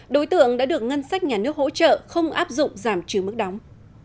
đối tượng đã được ngân sách nhà nước hỗ trợ không áp dụng giảm trừ mức đóng